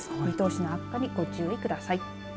見通しの悪化にご注意ください。